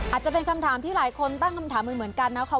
อาจจะเป็นคำถามที่หลายคนตั้งคำถามเหมือนกันนะคะ